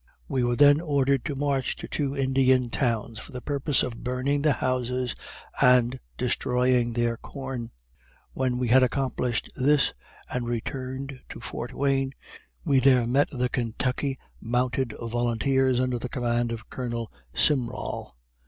We were then ordered to march to two Indian towns, for the purpose of burning the houses and destroying their corn. When we had accomplished this, and returned to Fort Wayne, we there met the Kentucky mounted volunteers under the command of Colonel Simrall.